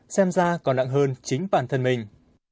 xem ra còn nặng hơn chính bản thân mình